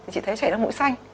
chị thấy chảy ra mũi xanh